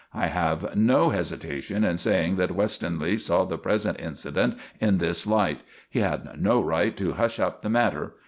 I have no hesitation in saying that Westonleigh saw the present incident in this light. He had no right to hush up the matter.